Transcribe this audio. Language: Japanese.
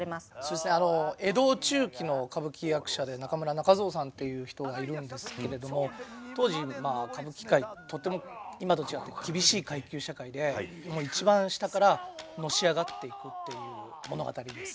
江戸中期の歌舞伎役者で中村仲蔵さんっていう人がいるんですけれども当時歌舞伎界とっても今と違って厳しい階級社会で一番下からのし上がっていくっていう物語です。